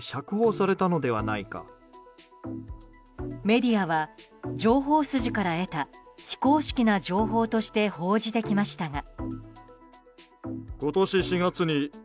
メディアは情報筋から得た非公式な情報として報じてきましたが。